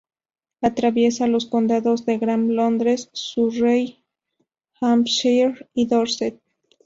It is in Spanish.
Atraviesa los condados de Gran Londres, Surrey, Hampshire y Dorset.